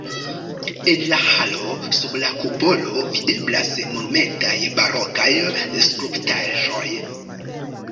En la halo sub la kupolo videblas monumentaj barokaj skulptaĵoj.